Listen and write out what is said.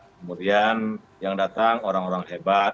kemudian yang datang orang orang hebat